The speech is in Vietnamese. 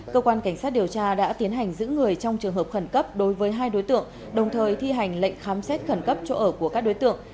cơ quan cảnh sát điều tra đã tiến hành giữ người trong trường hợp khẩn cấp đối với hai đối tượng đồng thời thi hành lệnh khám xét khẩn cấp chỗ ở của các đối tượng